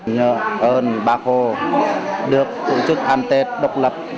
nhờ ơn ba cô được tổ chức ăn tết độc lập